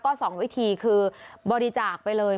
ก็๒วิธีคือบริจาคไปเลย